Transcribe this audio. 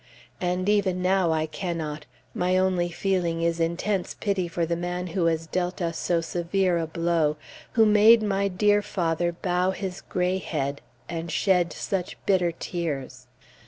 But even now I cannot: my only feeling is intense pity for the man who has dealt us so severe a blow; who made my dear father bow his gray head, and shed such bitter tears.